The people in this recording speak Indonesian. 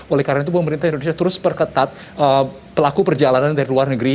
oleh karena itu pemerintah indonesia terus perketat pelaku perjalanan dari luar negeri